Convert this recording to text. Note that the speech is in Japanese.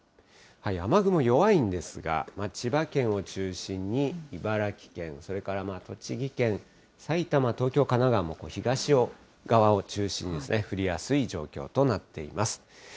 雨雲弱いんですが、千葉県を中心に茨城県、それから栃木県、埼玉、東京、神奈川も東側を中心に降りやすい状況となっています。